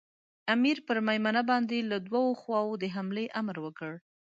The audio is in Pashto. امیر پر مېمنه باندې له دوو خواوو د حملې امر وکړ.